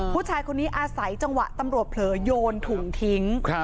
ผู้ชายคนนี้อาศัยจังหวะตำรวจเผลอโยนถุงทิ้ง